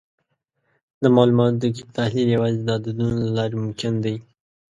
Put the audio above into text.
د معلوماتو دقیق تحلیل یوازې د عددونو له لارې ممکن دی.